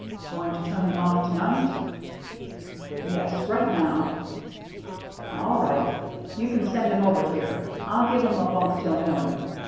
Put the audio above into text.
" Going to turn him off to night ?"" Yes, right now." " All right. You can send him over here. I'll give him a bunk till morning.